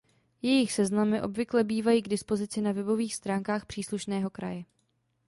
Jejich seznamy obvykle bývají k dispozici na webových stránkách příslušného kraje.